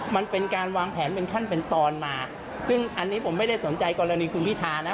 มันเป็นการวางแผนเป็นขั้นเป็นตอนมาซึ่งอันนี้ผมไม่ได้สนใจกรณีคุณพิธานะ